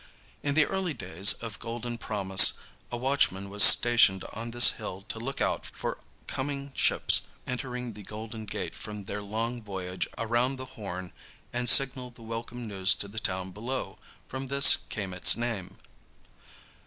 In the early days of golden promise a watchman was stationed on this hill to look out for coming ships entering the Golden Gate from their long voyage around the Horn and signal the welcome news to the town below. From this came its name.